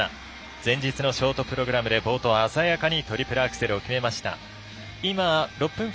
前日のショートプログラムで冒頭、鮮やかにトリプルアクセルを決めました。